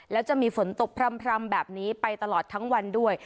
แล้วจะมีฝนตกพร่ำแบบนี้ไปตลอดทั้งวันด้วย